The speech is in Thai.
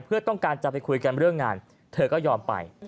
เพื่อต้องการจะไปคุยกันเรื่องงานเธอก็ยอมไป